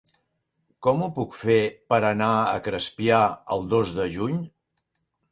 Com ho puc fer per anar a Crespià el dos de juny?